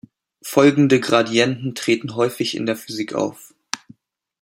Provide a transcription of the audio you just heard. Folgende Gradienten treten häufig in der Physik auf.